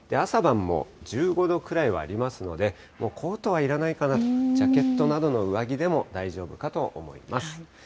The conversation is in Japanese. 朝晩も１５度くらいはありますので、もう、コートはいらないかなと、ジャケットなどの上着でも大丈夫かと思います。